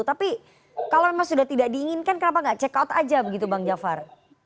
tapi kalau memang sudah tidak diinginkan kenapa nggak check out aja begitu bang jafar